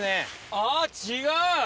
あぁ違う！